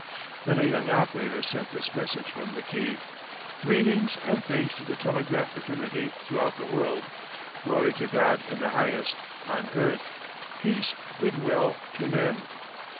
Then a young operator sent this message from the key: "Greeting and thanks to the telegraph fraternity throughout the world. Glory to God in the highest; on earth, peace, good will to men."